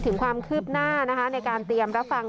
ถึงความคืบหน้านะคะในการเตรียมรับฟัง